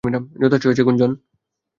যথেষ্ট হয়েছে গুঞ্জন!